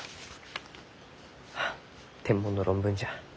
はあ天文の論文じゃ。